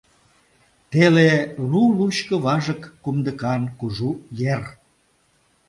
Теле лу-лучко важык кумдыкан кужу ер.